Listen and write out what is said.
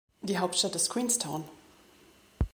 Die Hauptstadt ist Queenstown.